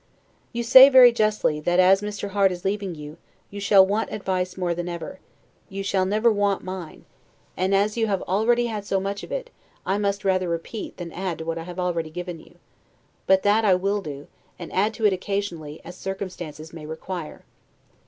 You say, very justly, that as Mr. Harte is leaving you, you shall want advice more than ever; you shall never want mine; and as you have already had so much of it, I must rather repeat than add to what I have already given you; but that I will do, and add to it occasionally, as circumstances may require.